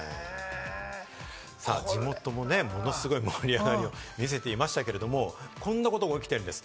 地元もね、ものすごい盛り上がりを見せていましたけれども、こんなことが起きてるんです。